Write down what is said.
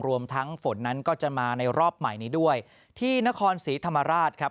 รวมทั้งฝนนั้นก็จะมาในรอบใหม่นี้ด้วยที่นครศรีธรรมราชครับ